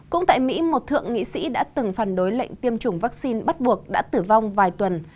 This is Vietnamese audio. cũng tại mỹ một thượng nghị sĩ đã từng phản đối lệnh tiêm chủng vaccine bắt buộc đã tử vong vài tuần